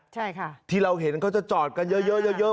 ใช่ค่ะที่เราเห็นเขาจะจอดกันเยอะเยอะ